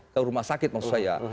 ke rumah sakit maksud saya